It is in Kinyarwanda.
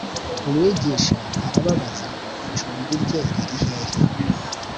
Umwigisha arababaza ngo Icumbi rye riri hehe